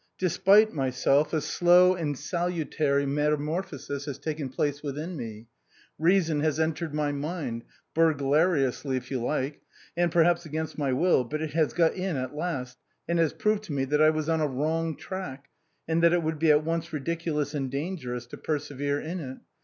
Despite myself, a slow and salutary metamorphosis has taken place within me ; reason has entered my mind — burglariously, if you like and perhaps against my will, but it has got in at last — and has proved to me that I was on a wrong track, and that it would be at once ridiculous and dangerous to persevere in it.